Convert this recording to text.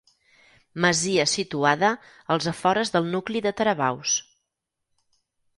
Masia situada als afores del nucli de Taravaus.